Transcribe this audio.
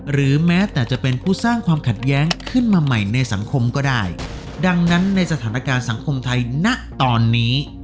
หรือแม้แต่จะเป็นผู้สร้างความขัดแย้งขึ้นมาใหม่ในสังคมก็ได้ดังนั้นในสถานการณ์สังคมไทยณตอนนี้